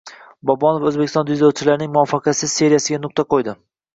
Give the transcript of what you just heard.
Bobonov o‘zbekistonlik dzyudochilarning muvaffaqiyatsiz seriyasiga nuqta qo‘ydi